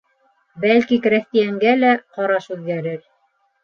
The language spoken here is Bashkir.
Бәлки, крәҫтиәнгә лә ҡараш үҙгәрер...